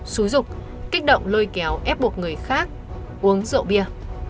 xúi rục kích động lôi kéo ép buộc người khác uống rượu bia